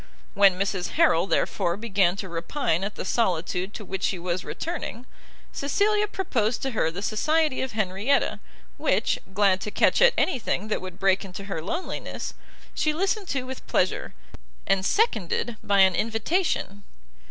When Mrs Harrel, therefore, began to repine at the solitude to which she was returning, Cecilia proposed to her the society of Henrietta, which, glad to catch at any thing that would break into her loneliness, she listened to with pleasure, and seconded by an invitation.